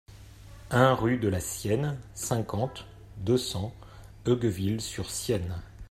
un rue de la Sienne, cinquante, deux cents, Heugueville-sur-Sienne